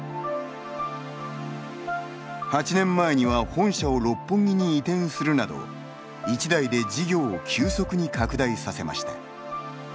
８年前には本社を六本木に移転するなど一代で事業を急速に拡大させました。